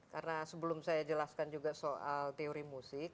karena sebelum saya jelaskan juga soal teori musik